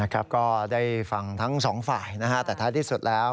ก็ได้ฟังทั้งสองฝ่ายแต่ท้ายที่สุดแล้ว